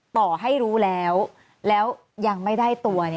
ต่อให้รู้แล้วแล้วยังไม่ได้ตัว